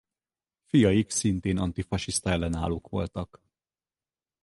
Fiaik szintén antifasiszta ellenállók voltak.